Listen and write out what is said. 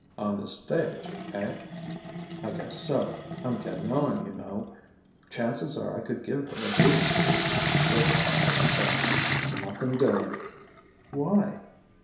"On the stage, eh?" "I guess so. I'm getting on, you know. Chances are I could give her a boost." Butch shook his head: "Nothin' doin'." "Why?"